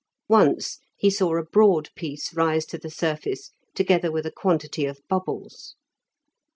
Once he saw a broad piece rise to the surface together with a quantity of bubbles.